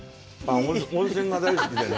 温泉が大好きでね。